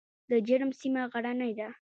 د جرم سیمه غرنۍ ده